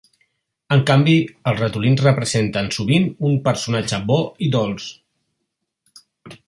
En canvi, els ratolins representen sovint un personatge bo i dolç.